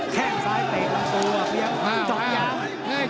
แข้งซ้ายเตะลงตัวเพียงจอดยาง